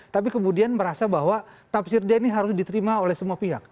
tapi kemudian merasa bahwa tafsir dia ini harus diterima oleh semua pihak